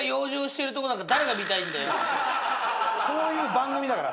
そういう番組だから。